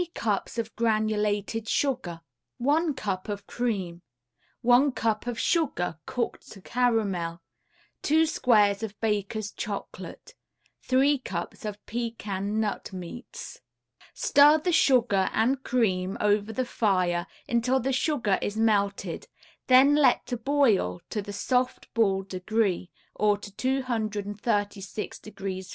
] 3 cups of granulated sugar, 1 cup of cream, 1 cup of sugar cooked to caramel, 2 squares of Baker's Chocolate, 3 cups of pecan nut meats. Stir the sugar and cream over the fire until the sugar is melted, then let boil to the soft ball degree, or to 236° F.